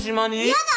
やだ！